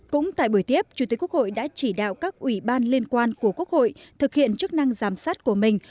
cũng tại buổi tiếp chủ tịch quốc hội đã chỉ đạo các ủy ban liên quan của quốc hội thực hiện chức năng giám sát của mình